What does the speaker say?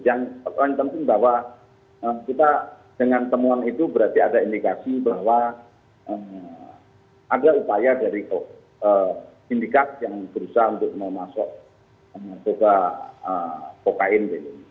yang penting bahwa kita dengan temuan itu berarti ada indikasi bahwa ada upaya dari indikas yang berusaha untuk memasukkan cocain